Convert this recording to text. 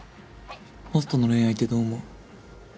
ホストの恋愛ってどう思う？